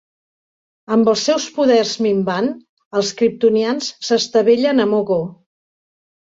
Amb els seus poders minvant, els kriptonians s'estavellen a Mogo.